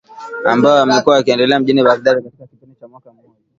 ambayo yamekuwa yakiendelea mjini Baghdad katika kipindi cha mwaka mmoja